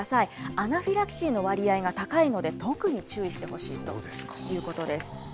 アナフィラキシーの割合が高いので、特に注意してほしいというこそうですか。